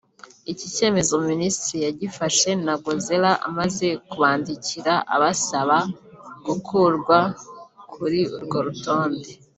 Iki cyemezo Minisiteri yagifashe Ntagozera amaze kubandikira abasaba gukurwa kuri urwo rutonde